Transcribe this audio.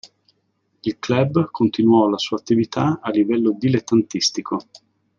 Il club continuò la sua attività a livello dilettantistico.